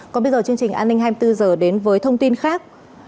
còn bây giờ chương trình an ninh hai mươi bốn h đến với thông tin khác